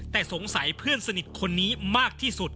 แต่สงสัยเพื่อนสนิทคนนี้มากที่สุด